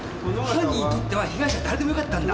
犯人にとっては被害者はだれでもよかったんだ。